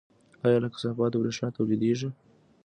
آیا له کثافاتو بریښنا تولیدیږي؟